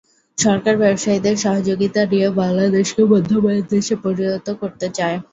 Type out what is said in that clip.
সরকার ব্যবসায়ীদের সহযোগিতা নিয়ে বাংলাদেশকে মধ্যম আয়ের দেশে পরিণত করতে চায়।